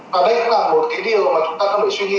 và đây cũng là một cái điều mà chúng ta